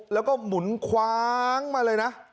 แล้วก็หมุนคว้างมาเลยนะ